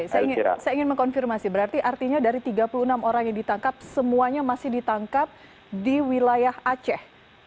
saya ingin mengkonfirmasi berarti artinya dari tiga puluh enam orang yang ditangkap semuanya masih ditangkap di wilayah aceh